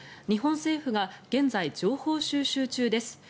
日本政府が現在、情報収集中です。